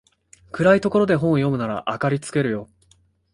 暗いところで本を読むなら明かりつけるよ